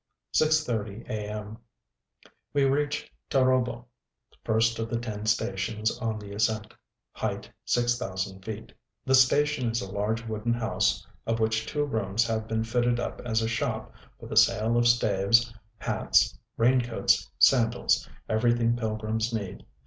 6:40 a. m. We reach Tar┼Źb┼Ź, first of the ten stations on the ascent: height, 6000 feet. The station is a large wooden house, of which two rooms have been fitted up as a shop for the sale of staves, hats, raincoats, sandals, everything pilgrims need.